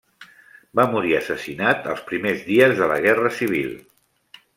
Va morir assassinat els primers dies de la Guerra Civil.